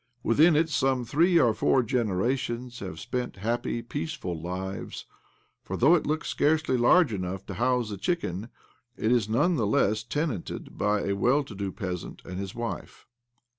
Within it some three or four genera tions have spent happy, peaceful lives ; for though it looks scarcely large enough to house a chicken, it is none the less tenanted by a well to do peasant and his wife.